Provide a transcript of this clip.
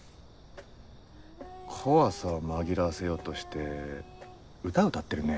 怖さを紛らわせようとして歌歌ってるね。